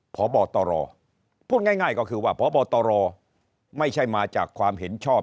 พบตรพูดง่ายก็คือว่าพบตรไม่ใช่มาจากความเห็นชอบ